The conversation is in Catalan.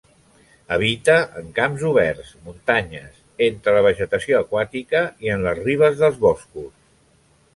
Habita en camps oberts, muntanyes, entre la vegetació aquàtica i en les ribes dels boscos.